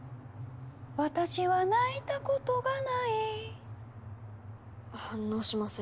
「私は泣いたことがない」反応しません。